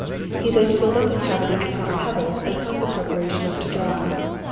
He then filled up the cavity with hot pebbles and hung the preparation up to dry.